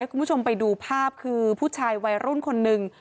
คุณผู้ชมไปดูภาพคือผู้ชายวัยรุ่นคนหนึ่ง